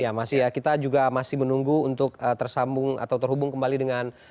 ya masih ya kita juga masih menunggu untuk tersambung atau terhubung kembali dengan